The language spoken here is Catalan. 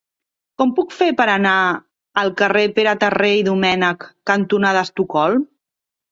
Com ho puc fer per anar al carrer Pere Terré i Domènech cantonada Estocolm?